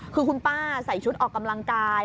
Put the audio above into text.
คือคุณป้าใส่ชุดออกกำลังกาย